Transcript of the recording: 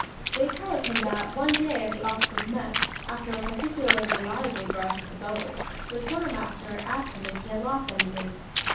They tell of him that, one day at the officers' mess, after a particularly lively brush with the Boers, the quartermaster asked him if he had lost anything.